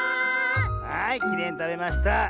はいきれいにたべました！